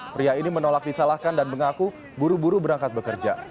pria ini menolak disalahkan dan mengaku buru buru berangkat bekerja